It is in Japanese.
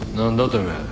てめえ。